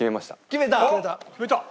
決めた！